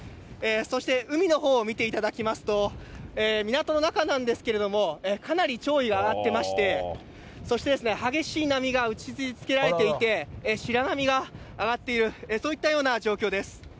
そして、海のほうを見ていただきますと、港の中なんですけれども、かなり潮位が上がってまして、そしてですね、激しい波が打ち付けられていて、白波が上がっている、そういったような状況です。